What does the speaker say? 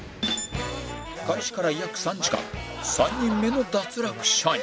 開始から約３時間３人目の脱落者に